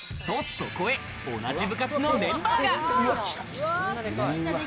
そこへ、同じ部活のメンバーが。